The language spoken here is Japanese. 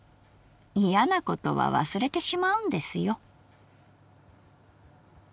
嫌なことは忘れてしまうんですよ」。